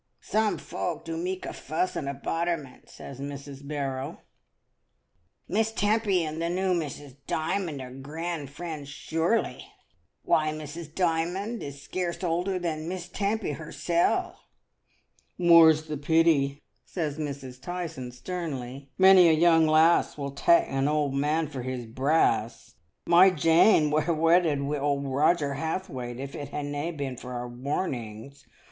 "Some fwolk do meak a fuss and a bodder ment," says Mrs. Barrow; "Miss Tempy and the new Mrs. Dymond are gran' friends sure ly. Why, Jtfrs. Dymond. I 9 130 MRS. DYMOND. Mrs. Dymond is scarce older than Miss Tempy herser." "More's the pity," says Mrs. Tyson, sternly. Many a young lass will tak' an old man for his brass. My Jane would ha' wedded wi' old Roger Hathwaite if it had na' been for our warnings.